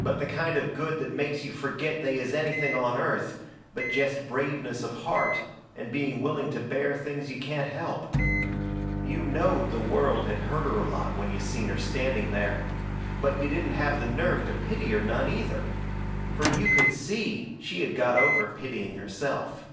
But the kind of good that makes you forget they is anything on earth but jest braveness of heart and being willing to bear things you can't help. You knowed the world had hurt her a lot when you seen her standing there; but you didn't have the nerve to pity her none, either. Fur you could see she had got over pitying herself.